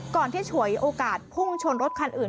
ที่ฉวยโอกาสพุ่งชนรถคันอื่น